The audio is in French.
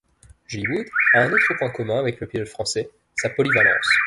Julie Wood a un autre point commun avec le pilote français, sa polyvalence.